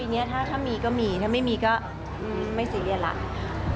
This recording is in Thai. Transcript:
ทีนี้ถ้ามีก็มีถ้าไม่มีก็ไม่ซีเรียสแล้ว